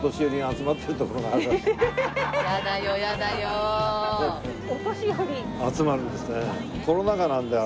集まるんですね。